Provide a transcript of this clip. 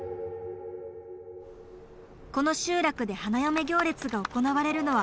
この集落で花嫁行列が行われるのは数十年ぶり。